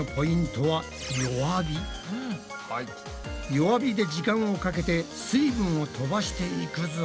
弱火で時間をかけて水分を飛ばしていくぞ。